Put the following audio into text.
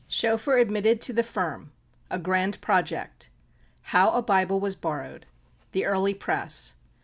Schoeffer admitted to the Firm. A Grand Project. How a Bible was borrowed. The Early Press.